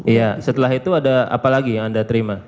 iya setelah itu ada apa lagi yang anda terima